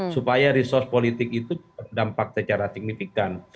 supaya resource politik itu terdampak secara signifikan